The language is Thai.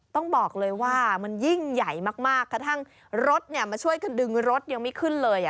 ต้องบอกเลยว่ามันยิ่งใหญ่มากกระทั่งรถมาช่วยกันดึงรถยังไม่ขึ้นเลย